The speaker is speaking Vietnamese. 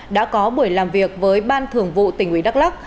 đã có buổi làm việc với ban thường vụ tỉnh ủy đắk lắc